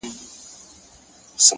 علم د عقل جوړښت پیاوړی کوي’